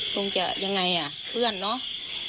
คงจะยังไงอ่ะเพื่อนเนาะ